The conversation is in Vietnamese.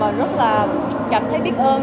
và rất là cảm thấy biết ơn